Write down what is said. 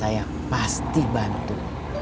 saya pasti bantu